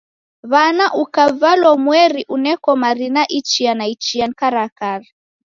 Mwana ukavalwa umweri uneko marina ichia na ichia ni karakara.